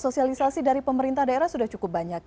sosialisasi dari pemerintah daerah sudah cukup banyak